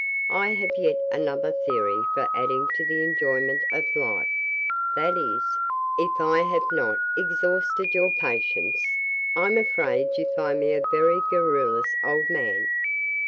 I have yet another theory for adding to the enjoyment of Life that is, if I have not exhausted your patience? I'm afraid you find me a very garrulous old man."